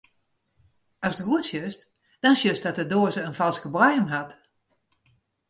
Ast goed sjochst, dan sjochst dat de doaze in falske boaiem hat.